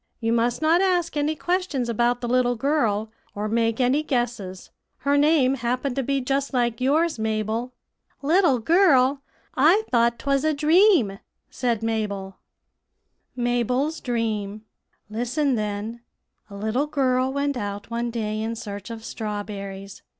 You must not ask any questions about the little girl, or make any guesses. Her name happened to be just like yours, Mabel." "Little girl! I thought 'twas a dream," said Mabel. [Illustration: MABEL'S DREAM.] "Listen, then: A little girl went out one day in search of strawberries.